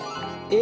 え！